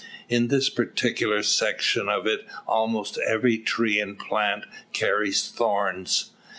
In this particular section of it almost every tree and plant carries thorns.